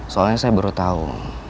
soalnya saya baru tahu